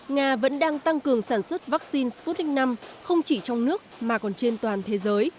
nga vẫn đang tăng cường sản xuất vaccine sputnik v không chỉ trong nước mà còn trên toàn thế giới